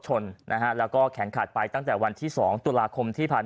ชนนะฮะแล้วก็แขนขาดไปตั้งแต่วันที่๒ตุลาคมที่ผ่านมา